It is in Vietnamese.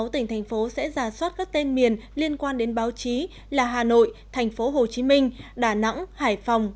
sáu tỉnh thành phố sẽ giả soát các tên miền liên quan đến báo chí là hà nội thành phố hồ chí minh đà nẵng hải phòng